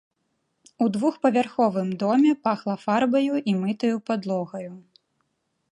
У двухпавярховым доме пахла фарбаю і мытаю падлогаю.